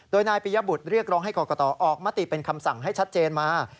โดยนายปิยบุตรเรียกร้องให้กรกตออกมาติเป็นคำสั่งให้ชัดเจนมา